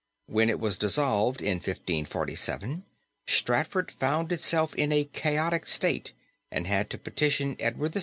When it was dissolved, in 1547, Stratford found itself in a chaotic state and had to petition Edward VI.